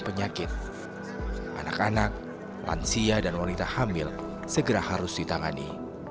sebelum lonsia dan wanita hamil segera harus ditangani